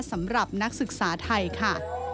สำหรับนักศึกษาไทยค่ะ